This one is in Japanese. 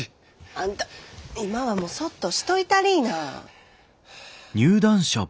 あんた今はもうそっとしといたりぃな。